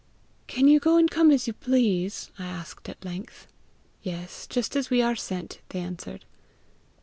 'Can you go and come as you please?' I asked at length. 'Yes, just as we are sent,' they answered.